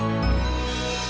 ini bukan kemarin